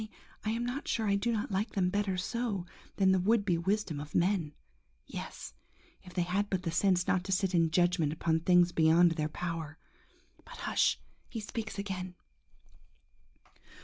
Only I am not sure I do not like them better so, than in the would be wisdom of men. Yes! if they had but the sense not to sit in judgment upon things beyond their power! ... But hush! he speaks again.